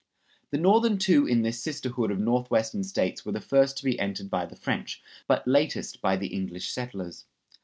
The northern two in this sisterhood of Northwestern States were the first to be entered by the French, but latest by the English settlers.